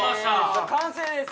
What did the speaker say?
完成です！